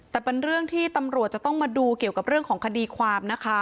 แต่เป็นเรื่องที่ตำรวจจะต้องมาดูเกี่ยวกับเรื่องของคดีความนะคะ